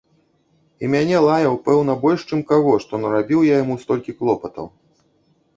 І мяне лаяў, пэўна, больш чым каго, што нарабіў я яму столькі клопатаў.